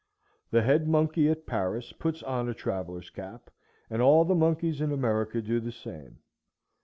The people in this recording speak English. The head monkey at Paris puts on a traveller's cap, and all the monkeys in America do the same.